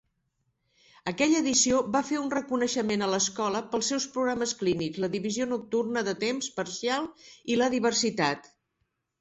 Aquella edició va fer un reconeixement a l'Escola pels seus programes clínics, la divisió nocturna de temps parcial i la diversitat.